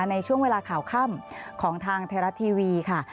ในช่วงเวลาข่าวค่ำของทางไทยรัฐทีวีค่ะ